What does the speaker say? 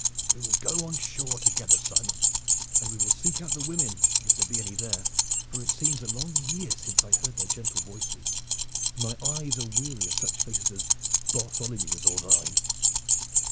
We will go on shore together, Simon, and we will seek out the women, if there be any there, for it seems a long year since I heard their gentle voices, and my eyes are weary of such faces as Bartholomew's or thine."